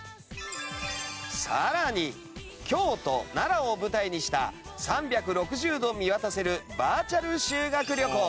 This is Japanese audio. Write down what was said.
さらに京都奈良を舞台にした３６０度見渡せるバーチャル修学旅行。